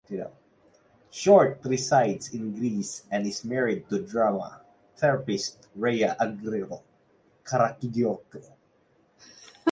Short resides in Greece and is married to drama therapist Rhea Argyro Karageorgiou.